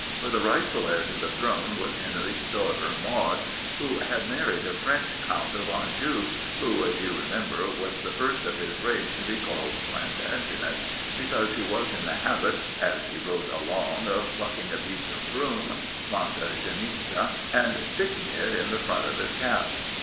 For the rightful heir to the throne was Henry's daughter Maud, who had married a French Count of Anjou, who, as you remember, was the first of his race to be called 'Plantagenet,' because he was in the habit, as he rode along, of plucking a piece of broom (Planta genista) and sticking it in the front of his cap.